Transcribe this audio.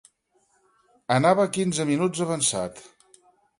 Anava quinze minuts avançat.